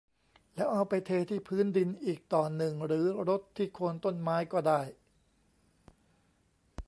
แล้วเอาไปเทที่พื้นดินอีกต่อหนึ่งหรือรดที่โคนต้นไม้ก็ได้